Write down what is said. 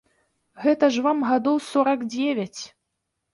Гэта ж вам гадоў сорак дзевяць.